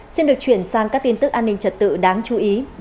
xin được chuyển sang các tin tức an ninh trật tự đáng chú ý